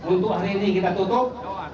untuk hari ini kita tutup